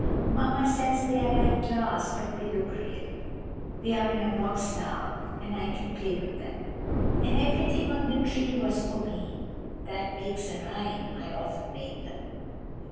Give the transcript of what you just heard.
Mamma says they are glass, but they look real. They are in a box now, and I can play with them.) And everything on the tree was for me. That makes a rhyme. I often make them.